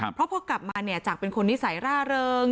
เพราะพอกลับมาเนี่ยจากเป็นคนนิสัยร่าเริง